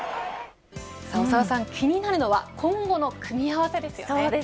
気になるのは今後の組み合わせですよね。